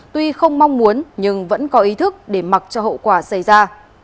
tuy không mong muốn nhưng vẫn có ý thức để mặc cho hậu quả xảy ra